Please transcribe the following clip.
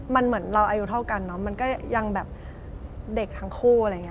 มันเหมือนเราอายุเท่ากันมันก็ยังเด็กทั้งคู่